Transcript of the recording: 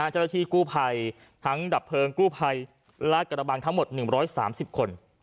เจรถีกู้ไพรทั้งดับเพลิงกู้ไพรและกระบังทั้งหมด๑๓๐คน